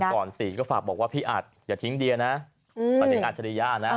กว่าวันก่อนตีก็ฝากบอกว่าพี่อัดอย่าทิ้งเดียนะอย่าทิ้งอัชริยานะ